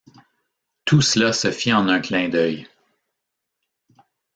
Tout cela se fit en un clin d’œil.